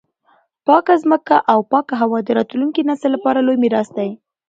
پاکه مځکه او پاکه هوا د راتلونکي نسل لپاره لوی میراث دی.